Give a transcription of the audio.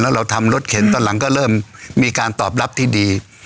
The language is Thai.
แล้วเราทำรถเข็นตอนหลังก็เริ่มมีการตอบรับที่ดี